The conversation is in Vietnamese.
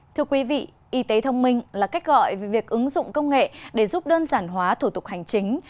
thưa quý vị y tế thông minh là cách gọi về việc ứng dụng công nghệ để giúp đơn giản hóa thủ tục hành chính